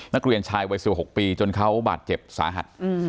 นักเรียนชายวัย๑๖ปีจนเขาบาดเจ็บสาหัส